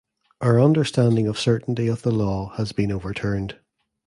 Our understanding of certainty of the law has been overturned.